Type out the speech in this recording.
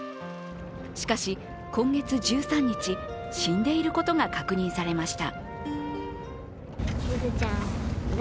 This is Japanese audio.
しかし、今月１３日、死んでいることが確認されました。